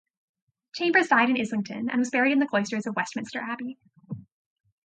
Chambers died in Islington and was buried in the cloisters of Westminster Abbey.